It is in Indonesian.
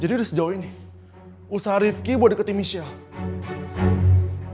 jadi udah sejauh ini usaha rifki buat deketin michelle